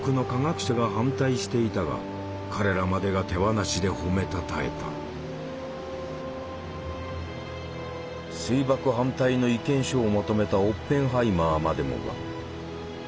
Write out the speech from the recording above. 水爆反対の意見書をまとめたオッペンハイマーまでもが。